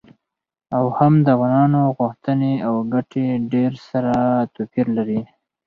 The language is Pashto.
او هم د افغانانو غوښتنې او ګټې ډیر سره توپیر لري.